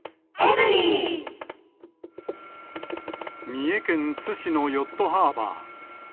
三重県津市のヨットハーバー。